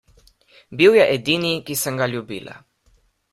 Bil je edini, ki sem ga ljubila.